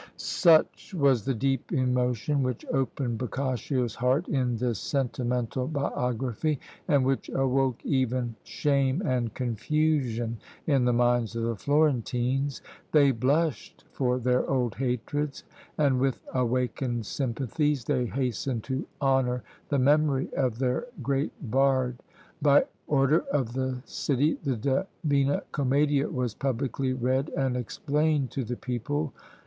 Such was the deep emotion which opened Boccaccio's heart in this sentimental biography, and which awoke even shame and confusion in the minds of the Florentines; they blushed for their old hatreds, and, with awakened sympathies, they hastened to honour the memory of their great bard. By order of the city, the Divina Commedia was publicly read and explained to the people.